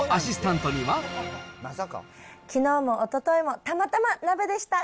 きのうもおとといも、たまたま鍋でした。